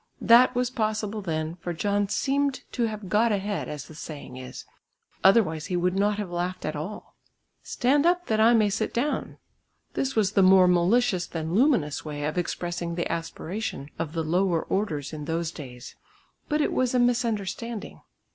That was possible then, for John seemed to have "got ahead" as the saying is; otherwise he would not have laughed at all. "Stand up that I may sit down," this was the more malicious than luminous way of expressing the aspiration of the lower orders in those days. But it was a misunderstanding.